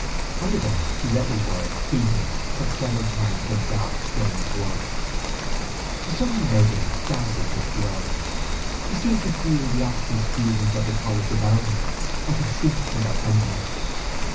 On the desk he read the word Fœtus cut several times in the dark stained wood. The sudden legend startled his blood: he seemed to feel the absent students of the college about him and to shrink from their company.